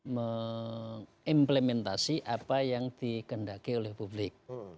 mengimplementasi apa yang dikendaki oleh publik